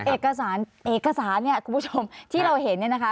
เอกสารเอกสารเนี่ยคุณผู้ชมที่เราเห็นเนี่ยนะคะ